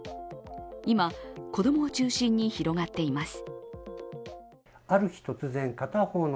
今、子供を中心に広がっています。